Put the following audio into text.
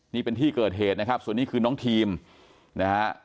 นี่เป็นที่เกิดเหตุนะครับส่วนนี้คือน้องทีมนะฮะ